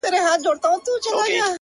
موږ په تيارو كي اوسېدلي يو تيارې خوښـوو،